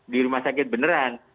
di rumah sakit beneran